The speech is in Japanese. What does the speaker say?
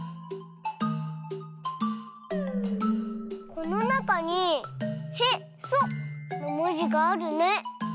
このなかに「へ」「そ」のもじがあるね。